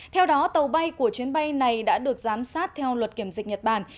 theo đó tàu bay của chuyến bay này đã được giám sát theo luật kiểm dịch nhật bản